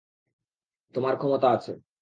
তোমার ক্ষমতা আছে।